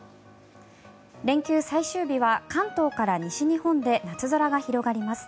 連休最終日は関東から西日本で夏空が広がります。